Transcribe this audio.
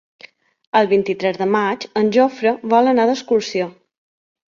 El vint-i-tres de maig en Jofre vol anar d'excursió.